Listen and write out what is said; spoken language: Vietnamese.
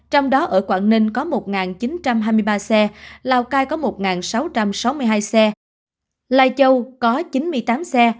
trong đó ở quảng ninh có một chín trăm hai mươi ba xe lào cai có một sáu trăm sáu mươi hai xe lai châu có chín mươi tám xe